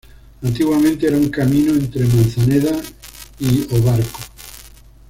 Antiguamente era un camino entre Manzaneda y O Barco.